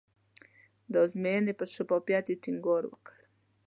د ازموینې پر شفافیت یې ټینګار وکړ.